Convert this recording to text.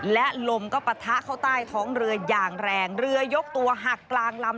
และลมก็ปะทะเข้าใต้ท้องเรืออย่างแรงเรือยกตัวหักกลางลำ